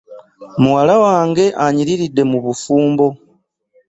Muwala wange anyiriridde mu bufumbo.